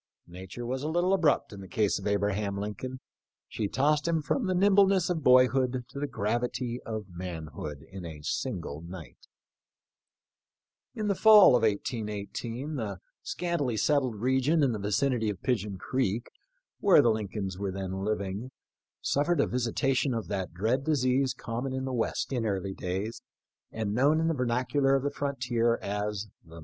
Nature was a little abrupt in the case of Abraham Lincoln ; she tossed him from the nimbleness of boyhood to the gravity of manhood in a single night. In the fall of 18 18, the scantily settled region in the vicinity of Pigeon creek — where the Lincolns were then living — sufTered a visitation of that dread disease common in the West in early days, and known in the vernacular of the frontier as " the * D.